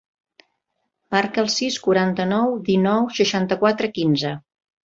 Marca el sis, quaranta-nou, dinou, seixanta-quatre, quinze.